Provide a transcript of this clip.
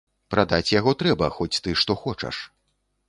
Прадаць яго трэба, хоць ты што хочаш.